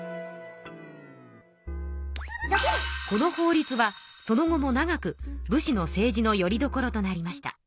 この法律はその後も長く武士の政治のよりどころとなりました。